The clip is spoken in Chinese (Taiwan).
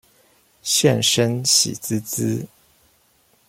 現身喜滋滋